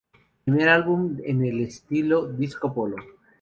Primer álbum en el estilo Disco Polo.